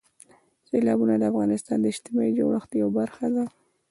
سیلابونه د افغانستان د اجتماعي جوړښت یوه برخه ده.